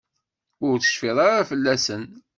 Ur tecfiḍ ara fell-asen?